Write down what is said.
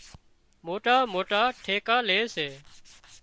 موٽا موٽا ٺيڪا لي سي